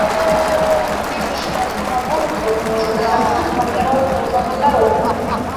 Пры гэтым месячная сума бонусаў зможа дасягнуць памеру асноўнага заробку.